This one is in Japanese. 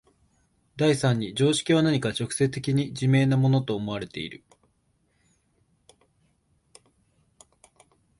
第三に常識は何か直接的に自明なものと思われている。